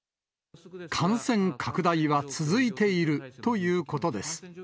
感染拡大は続いているということです。